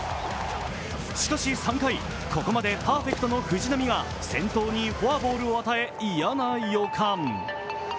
しかし３回、ここまでパーフェクトの藤浪が先頭にフォアボールを与え嫌な予感。